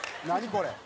これ。